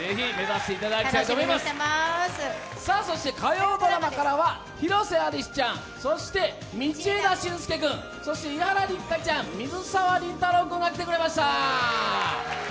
火曜ドラマからは広瀬アリスちゃん、道枝駿佑君そして伊原六花ちゃん、水沢林太郎君が来てくれました。